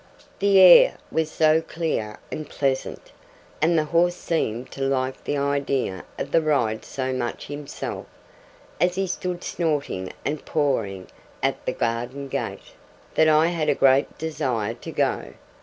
The air was so clear and pleasant, and the horse seemed to like the idea of the ride so much himself, as he stood snorting and pawing at the garden gate, that I had a great desire to go.